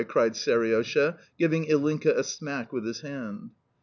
cried Seriosha, giving Ilinka a smack with his hand.